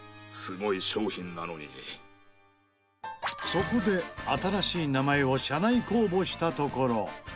そこで新しい名前を社内公募したところ。